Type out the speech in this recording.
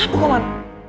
kenapa kau man